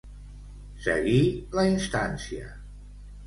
Seguir la instància.